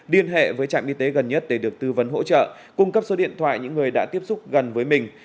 liên hệ với trạm y tế gần nhất để được tư vấn hỗ trợ cung cấp số điện thoại những người đã tiếp xúc gần với mình